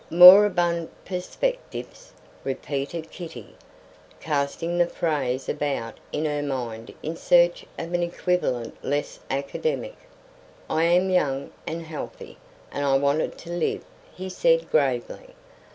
"Moribund perspectives," repeated Kitty, casting the phrase about in her mind in search of an equivalent less academic. "I am young and healthy, and I wanted to live," he said, gravely.